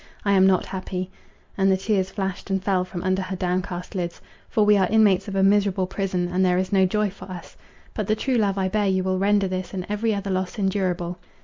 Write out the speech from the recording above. I am not happy," (and the tears flashed and fell from under her down cast lids), "for we are inmates of a miserable prison, and there is no joy for us; but the true love I bear you will render this and every other loss endurable."